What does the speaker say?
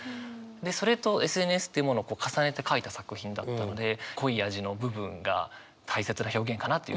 でそれとＳＮＳっていうものを重ねて書いた作品だったので濃い味の部分が大切な表現かなというふうに思ってますね。